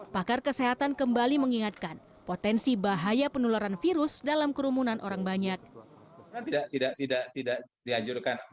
pakar kesehatan kembali mengingatkan potensi bahaya penularan virus dalam kerumunan orang banyak